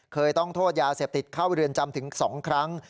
เคยต้องโทษยาเสพติดเข้าเรือนจำถึง๒ครั้ง